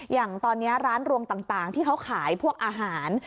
อย่างตอนนี้ร้านรวงต่างที่เขาขายพวกอาหาร